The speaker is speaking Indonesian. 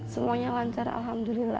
semuanya lancar alhamdulillah